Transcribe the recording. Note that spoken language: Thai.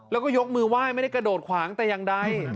แล้วก็ยกมือไหว้ไม่ได้กระโดดขวางแต่อย่างใด